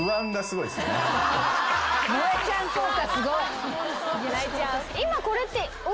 萌ちゃん効果すごい。